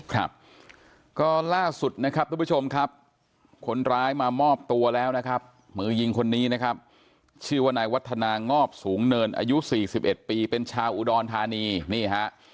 ครับก็ล่าสุดนะครับทุกผู้ชมครับคนร้ายมามอบตัวแล้วนะครับมือยิงคนนี้นะครับชื่อว่านายวัฒนางอบสูงเนินอายุ๔๑ปีเป็นชาวอุดรธานีนี่ฮะ